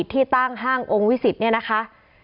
ที่ตั้งห้างองค์วิสิตเนี่ยนะคะ